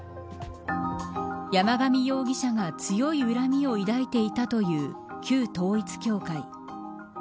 山上容疑者が強い恨みを抱いていたという旧統一教会。